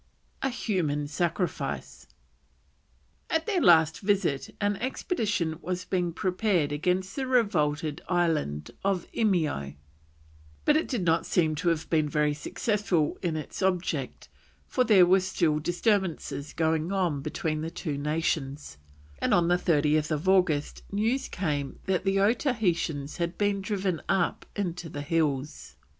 A HUMAN SACRIFICE. At their last visit an expedition was being prepared against the revolted island of Eimeo, but it did not seem to have been very successful in its object, for there were still disturbances going on between the two nations, and on 30th August news came that the Otaheitans had been driven up into the hills.